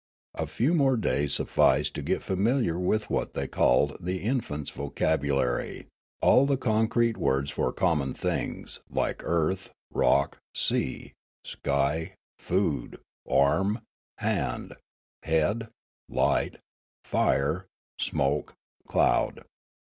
A few more days vSufficed to get familiar with what they called the infant's vocabulary, all the concrete words for common things, like earth, rock, sea, sky, food, arm, hand, head, light, fire, smoke, cloud.